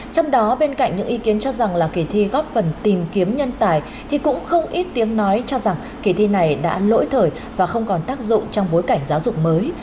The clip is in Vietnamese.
trong đó bên cạnh những ý kiến cho rằng là kỳ thi góp phần tìm kiếm nhân tài thì cũng không ít tiếng nói cho rằng kỳ thi này đã lỗi thời và không còn tác dụng trong bối cảnh giáo dục mới